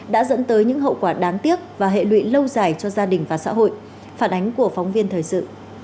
đã dẫn tới những hậu quả đáng tiếc và hệ lụy lâu dài cho gia đình và xã hội phản ánh của phóng viên thời sự